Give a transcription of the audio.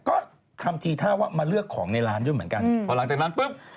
ก็ทำทีท่าว่ามาเลือกของในร้านด้วยเหมือนกันพอหลังจากนั้นปุ๊บ